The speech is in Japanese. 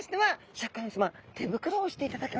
シャーク香音さま手袋をしていただけますでしょうか？